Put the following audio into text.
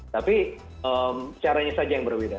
tapi caranya saja yang berbeda